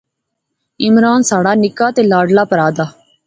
عمران ساڑا نکا تے لاڈلا پرہا دا